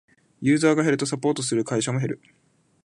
ユーザーが減るとサポートする会社も減る